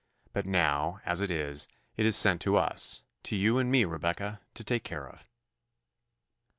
But now, as it is, it is sent to us to you and me, Rebecca to take care of."